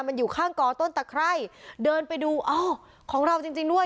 มันอยู่ข้างกอต้นตะไคร่เดินไปดูอ้าวของเราจริงจริงด้วย